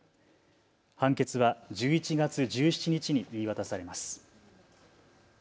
判決は１１月１７日に言い渡されます。